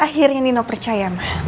akhirnya nino percaya ma